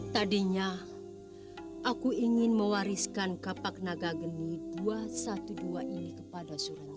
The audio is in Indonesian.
tadinya aku ingin mewariskan kapak naga geni dua ratus dua belas ini kepada surat